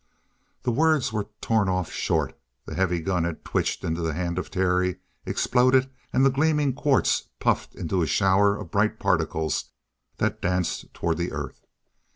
The words were torn off short. The heavy gun had twitched into the hand of Terry, exploded, and the gleaming quartz puffed into a shower of bright particles that danced toward the earth.